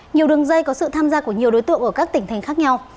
nhiều đường dây có sự tham gia của nhiều đối tượng ở các tỉnh thành khác nhau